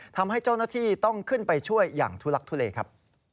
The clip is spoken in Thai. ทำให้เจ้าหน้าที่ต้องขึ้นไปช่วยอย่างทุลักทุเลครับ